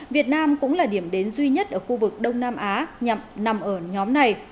việt nam cũng là điểm đến duy nhất ở khu vực đông nam á nằm ở nhóm này